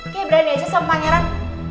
kayak berani aja sama pangeran